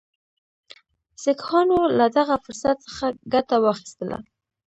سیکهانو له دغه فرصت څخه ګټه واخیستله.